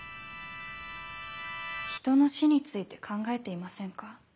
人の死について考えていませんか？